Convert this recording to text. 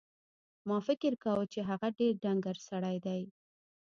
ما فکر کاوه چې هغه ډېر ډنګر سړی دی.